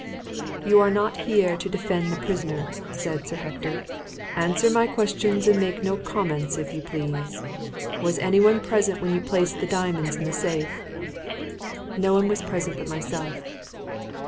"You are not here to defend the prisoner," said Sir Hector. "Answer my questions and make no comments, if you please. Was anyone present when you placed the diamonds in the safe?" "No one was present but myself."